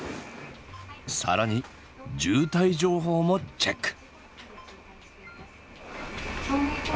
更に渋滞情報もチェック。